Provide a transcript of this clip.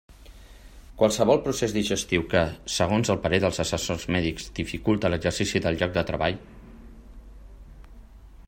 Qualsevol procés digestiu que, segons el parer dels assessors mèdics, dificulte l'exercici del lloc de treball.